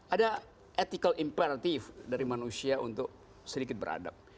ada ethical imperatif dari manusia untuk sedikit beradab